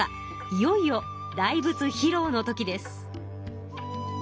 いよいよ大仏ひろうの時です。